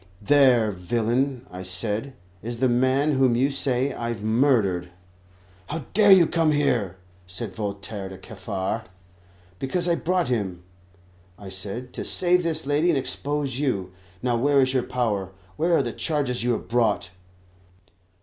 "There, villain," I said, "is the man whom you say I've murdered." "How dare you come here?" said Voltaire to Kaffar. "Because I brought him," I said, "to save this lady and expose you. Now, where is your power, and where are the charges you have brought?"